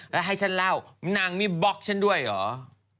แล้วให้ฉันเล่านางมีบล็อกฉันด้วยเหรอ